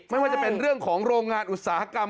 ไม่ว่าจะเป็นเรื่องของโรงงานอุตสาหกรรม